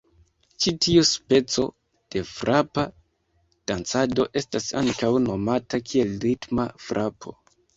Ĉi tiu speco de frapa dancado estas ankaŭ nomata kiel ritma frapo.